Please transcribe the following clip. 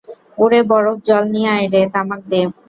ওরে বরফ-জল নিয়ে আয় রে, তামাক দে!